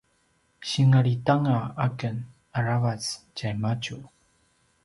singlitanga aken aravac tjaimadju